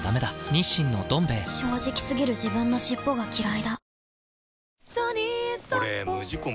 「日清のどん兵衛」正直過ぎる自分の尻尾がきらいだ